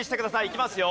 いきますよ。